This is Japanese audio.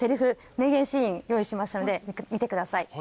名言シーン用意しましたので見てください。